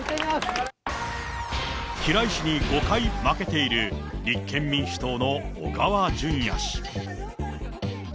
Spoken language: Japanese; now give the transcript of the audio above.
平井氏に５回負けている、立憲民主党の小川淳也氏。